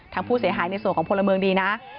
ทางผู้เสียหายในส่วนของพลเมืองดีนะ